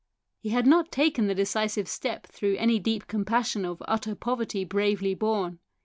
He had not taken the decisive step through any deep compassion of utter poverty bravely borne.